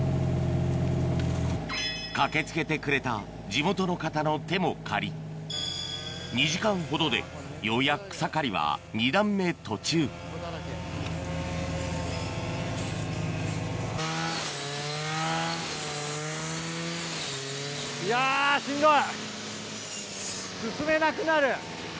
駆け付けてくれた２時間ほどでようやく草刈りは２段目途中いやしんどい。